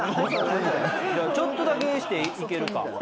ちょっとだけにしていけるか。